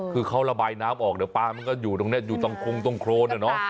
คือเขาระบายน้ำออกเดี๋ยวปลามันก็อยู่ตรงนี้อยู่ตรงคงตรงโครนอะเนาะ